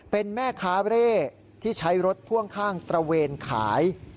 เป็นแม่ค้าเร่ที่ใช้รถพ่วงข้างตระเวนขาย